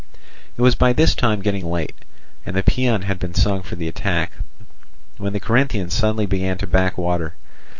It was by this time getting late, and the paean had been sung for the attack, when the Corinthians suddenly began to back water.